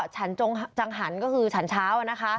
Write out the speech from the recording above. จังหันขึ้นก็คือฉันเช้า